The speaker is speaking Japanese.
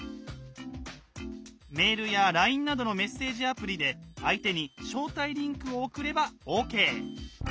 メールやＬＩＮＥなどのメッセージアプリで相手に「招待リンク」を送ればＯＫ！